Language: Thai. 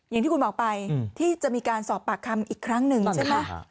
อย่างที่คุณบอกไปที่จะมีการสอบปากคำอีกครั้งหนึ่งใช่ไหม